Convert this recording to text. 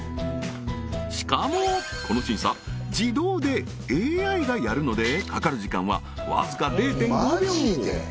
しかもこの審査自動でＡＩがやるのでかかる時間はわずか０．５秒